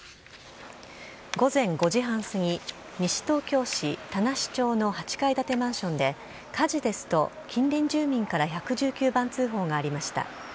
午前５時半過ぎ、西東京市田無町の８階建てマンションで、火事ですと近隣住民から１１９番通報がありました。